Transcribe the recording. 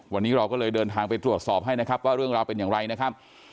วันนี้เราก็เลยเดินทางไปตรวจสอบให้นะครับว่าเรื่องราวเป็นอย่างไรนะครับ